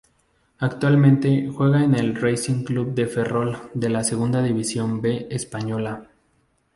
Actualmente juega en el Racing Club de Ferrol de la Segunda División B española.